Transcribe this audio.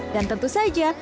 dan tentu saja